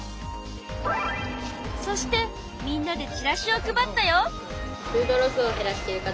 そしてみんなでチラシを配ったよ！